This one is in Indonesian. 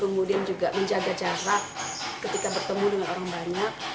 kemudian juga menjaga jarak ketika bertemu dengan orang banyak